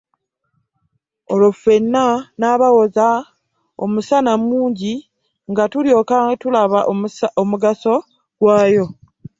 Olwo ffenna nabawoza omusana mung inga tulyoka tolaba omugaso gwaayo.